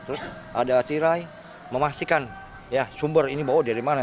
terus ada tirai memastikan sumber ini bawa dari mana